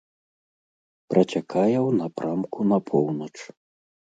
Працякае ў напрамку на поўнач.